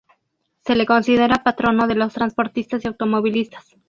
Se le considera patrono de los transportistas y automovilistas.